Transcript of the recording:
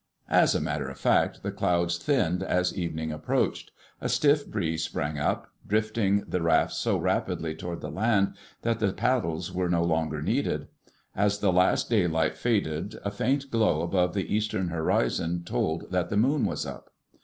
As a matter of fact, the clouds thinned as evening approached. A stiff breeze sprang up, drifting the rafts so rapidly toward land that the paddles were no longer needed. As the last daylight faded a faint glow above the eastern horizon told that the moon was up.